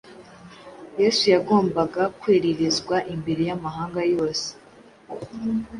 yesu yagombaga kwererezwa imbere y’amahanga yose